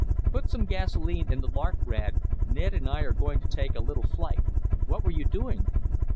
"Put some gasolene in the Lark, Rad. Ned and I are going to take a little flight. What were you doing?"